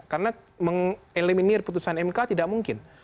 karena mengeliminir putusan mk tidak mungkin